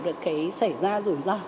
được cái xảy ra rủi ro